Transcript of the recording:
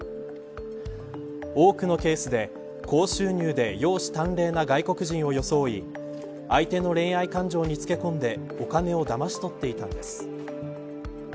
多くのケースで高収入で容姿端麗な外国人を装い相手の恋愛感情につけこんでお金をだまし取っていたんです。